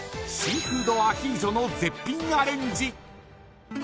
シーフードアヒージョの絶品アレンジ。